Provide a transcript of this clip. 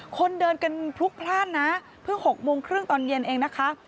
คนเดินกันพลุกพลาดนะเพิ่ง๖โมงครึ่งตอนเย็นเองนะคะ